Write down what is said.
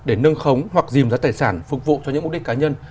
sống hoặc dìm ra tài sản phục vụ cho những mục đích cá nhân